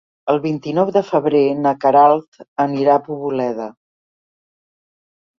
El vint-i-nou de febrer na Queralt anirà a Poboleda.